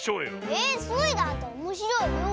えっスイだっておもしろいよ！